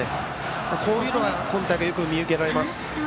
こういうのが今大会よく見受けられます。